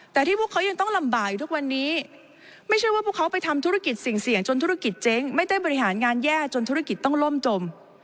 แต่ที่พวกเขายังต้องลำบากอยู่ทุกวันนี้ไม่ใช่ว่าพวกเขาไปทำธุรกิจเสี่ยงจนธุรกิจเจ๊งไม่ได้บริหารงานแย่จนธุรกิจต้องล่มจม